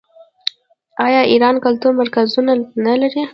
آیا ایران کلتوري مرکزونه نلري؟